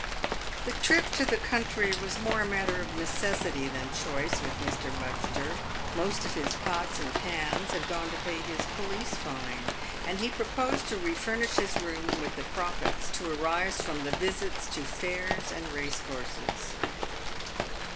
The trip to the country was more a matter of necessity than choice with Mr. Mudgster. Most of his pots and pans had gone to pay his police fine, and he proposed to refurnish his room w r ith the profits to 236 PAVED WITH GOLD. arise from the visits to fairs and race courses.